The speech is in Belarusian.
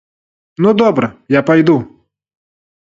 Ну, добра, я пайду.